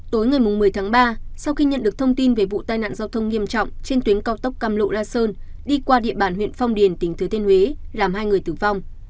tối ngày một mươi tháng ba sau khi nhận được thông tin về vụ tai nạn giao thông nghiêm trọng trên tuyến cao tốc cam lộ la sơn đi qua địa bàn huyện phong điền tỉnh thứ thiên huế làm hai người tử vong